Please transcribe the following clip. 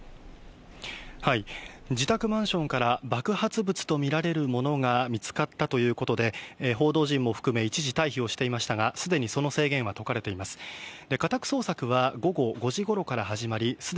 自宅マンションから爆発物と見られるものが見つかったということで、報道陣も含め一時、退避をしていましたが、すでにその制限は解かれています。